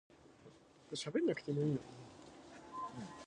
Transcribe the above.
早朝から働くのが首相のペース